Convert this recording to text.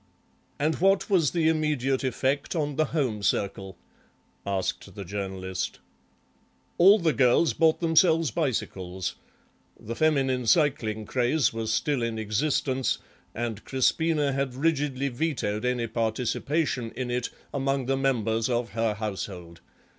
"And what was the immediate effect on the home circle?" asked the Journalist. "All the girls bought themselves bicycles; the feminine cycling craze was still in existence, and Crispina had rigidly vetoed any participation in it among the members of her household.